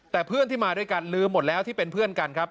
แต่เพื่อนที่มาด้วยกันลืมหมดแล้วที่เป็นเพื่อนกันครับ